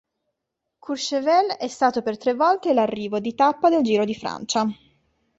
Courchevel è stato per tre volte l'arrivo di tappa del Giro di Francia.